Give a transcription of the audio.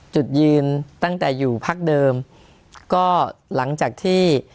จุดยืนตั้งแต่อยู่พักเดิมก็หลังจากที่